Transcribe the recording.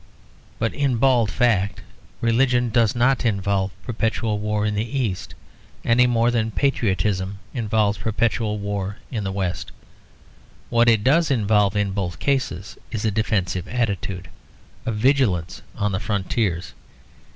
But in bald fact religion does not involve perpetual war in the East, any more than patriotism involves perpetual war in the West. What it does involve in both cases is a defensive attitude; a vigilance on the frontiers.